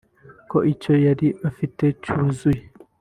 ko icyo yari afite cyuzuye